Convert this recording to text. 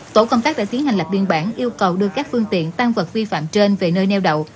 tổ công tác đã tiến hành lập biên bản yêu cầu đưa các phương tiện tăng vật vi phạm trên về nơi neo đậu